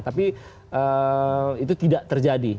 tapi itu tidak terjadi